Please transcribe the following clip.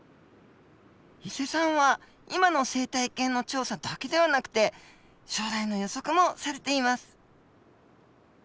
伊勢さんは今の生態系の調査だけではなくて将来の予測もされています。